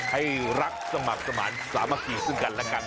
ให้รักสมัครสมัครสามารถสามารถกินซึ่งกันแล้วกัน